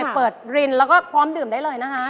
เปิดรินแล้วก็พร้อมดื่มได้เลยนะคะ